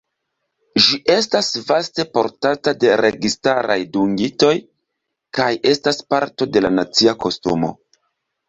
Ĝi estas vaste portata de registaraj dungitoj, kaj estas parto de la nacia kostumo.